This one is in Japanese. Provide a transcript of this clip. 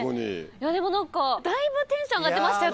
いやでも何かだいぶテンション上がってましたよ。